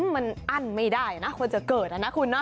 มันอั้นไม่ได้นะควรจะเกิดนะคุณนะ